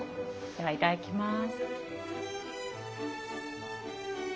ではいただきます。